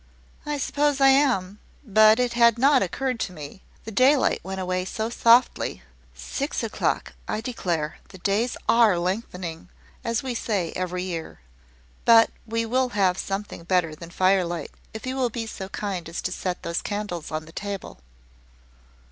"I suppose I am: but it had not occurred to me the daylight went away so softly. Six o'clock, I declare! The days are lengthening, as we say every year. But we will have something better than firelight, if you will be so kind as to set those candles on the table."